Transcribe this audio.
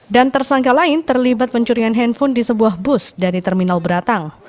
dan tersangka lain terlibat pencurian handphone di sebuah bus dari terminal beratang